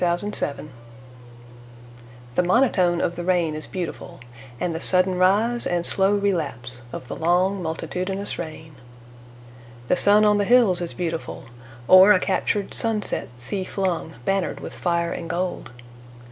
Carl Sandburg MONOTONE THE monotone of the rain is beautiful, And the sudden rise and slow relapse Of the long multitudinous rain. The sun on the hills is beautiful, Or a captured sunset sea flung, Bannered with fire and gold.